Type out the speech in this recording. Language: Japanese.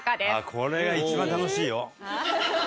これが一番楽しいよ。